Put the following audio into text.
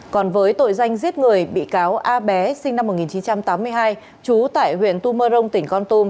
còn với tội danh giết người bị cáo a bé sinh năm một nghìn chín trăm tám mươi hai chú tại huyện tumorong tỉnh con tum